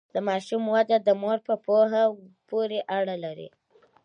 د ماشوم وده د مور په پوهه پورې اړه لري۔